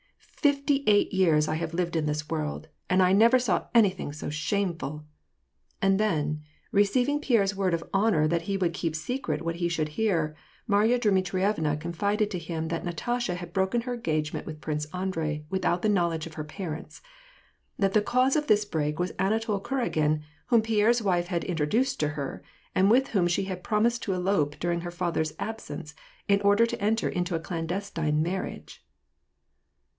" Fifty eight years have I lived in this world, and I never saw any thing so shameful." And then, receiving Pierre's word of honor that he would keep secret what he should hear, Marya Dmitrievna confided to him that Natasha had broken her en gagement with Prince Andrei without the knowledge of ier parents ; that the cause of this break was Anatol Kuragin, whom Pierre's wife had introduced to her, and with whom she had promised to elope during her father's absence, in order to enter into a clandestine marriage.